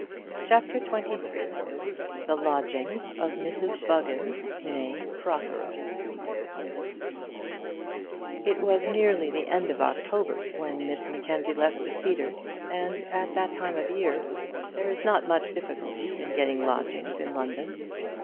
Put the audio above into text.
CHAPTER XXIII The Lodgings of Mrs Buggins, Née Protheroe It was nearly the end of October when Miss Mackenzie left the Cedars and at that time of the year there is not much difficulty in getting lodgings in London.